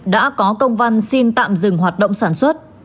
đã có công văn xin tạm dừng hoạt động sản xuất